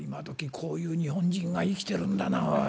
こういう日本人が生きてるんだなおい。